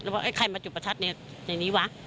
แล้วว่าไอ้ใครมาจุดประทัดในนี้วะ